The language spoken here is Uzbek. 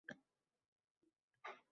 She’ri-chi, uyqudagi dunyolarga bong berdi